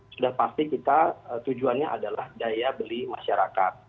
sudah pasti kita tujuannya adalah daya beli masyarakat